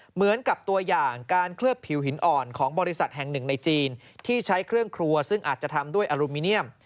เหมือนกับตัวอย่างการเคลือบผิวหินอ่อนของบริษัทแห่งหนึ่งในจีนที่ใช้เครื่องครัวซึ่งอาจจะทำด้วยอลูมิเนียม